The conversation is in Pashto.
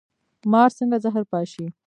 مار څنګه زهر پاشي؟